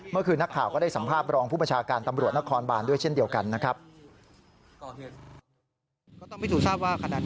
เมื่อคืนนักข่าวก็ได้สัมภาพรองผู้ประชาการตำรวจนครบานด้วยเช่นเดียวกันนะครับ